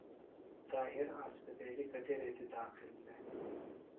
طاہر اسپتیلیۡ کتیۡ ریتیۡ داخل دےۡ؟